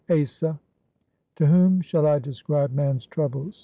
Asa To whom shall I describe man's troubles